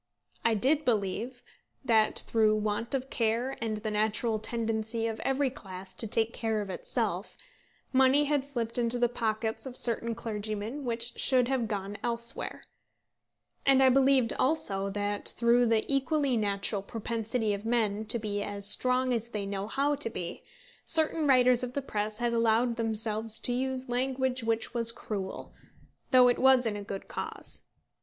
I did believe that through want of care and the natural tendency of every class to take care of itself, money had slipped into the pockets of certain clergymen which should have gone elsewhere; and I believed also that through the equally natural propensity of men to be as strong as they know how to be, certain writers of the press had allowed themselves to use language which was cruel, though it was in a good cause.